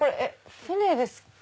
船ですか？